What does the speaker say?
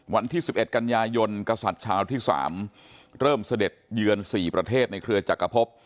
วันที่๑๑กันยายนกษัตริย์ชาวที่๓เริ่มเสด็จเยือน๔ประเทศในเครือจักรพบ